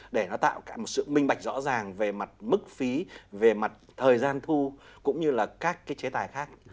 để nó tạo cả một sự minh bạch rõ ràng về mặt mức phí về mặt thời gian thu cũng như là các cái chế tài khác